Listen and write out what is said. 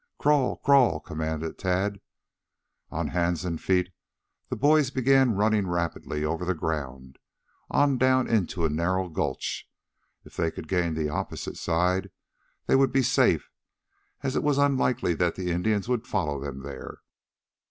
"Crawl! Crawl!" commanded Tad. On hands and feet the boys began running rapidly over the ground, on down into a narrow gulch. If they could gain the opposite side they would be safe, as it was unlikely that the Indians would follow them there.